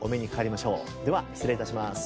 では失礼致します。